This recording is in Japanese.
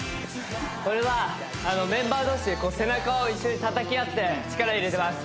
俺はメンバー同士で背中を一緒に叩きあって力入れてます